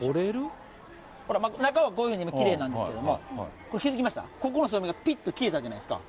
中はこういうふうにきれいなんですけども、気付きました、ここの照明がぴっと消えたじゃないですか。